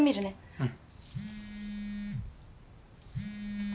うん。